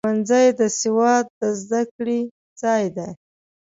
ښوونځی د سواد د زده کړې ځای دی.